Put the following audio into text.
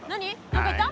何か言った？